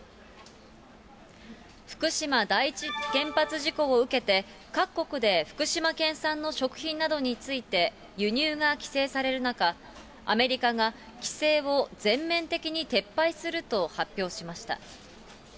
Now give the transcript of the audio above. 福島第一原発事故を受けて、各国で福島県産の食品などについて、輸入が規制される中、アメリカが規制を全面的に撤廃すると発表しました。